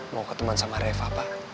mau ketemu sama reva pak